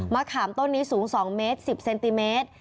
ขามต้นนี้สูง๒เมตร๑๐เซนติเมตร